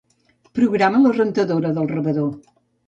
Programa la rentadora del rebedor.